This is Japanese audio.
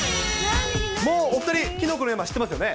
もうお２人、きのこの山、知ってますよね。